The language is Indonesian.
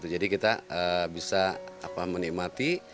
jadi kita bisa menikmati